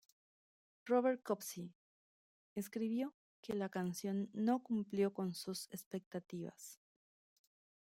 Robert Copsey escribió que la canción no cumplió con su expectativas.